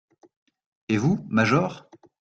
Et vous, major?